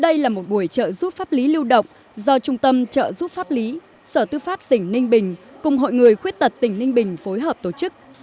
đây là một buổi trợ giúp pháp lý lưu động do trung tâm trợ giúp pháp lý sở tư pháp tỉnh ninh bình cùng hội người khuyết tật tỉnh ninh bình phối hợp tổ chức